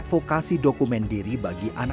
terima kasih kepada diri saya yang coba itu